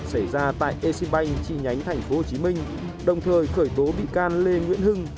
xảy ra tại eximbank trị nhánh tp hcm đồng thời khởi tố bị can lê nguyễn hưng